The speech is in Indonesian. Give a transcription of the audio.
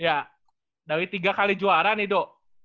ya dari tiga kali juara nih dok